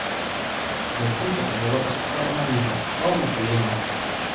Дзяўчынка падвяла пастуха да магілы, стала на калені.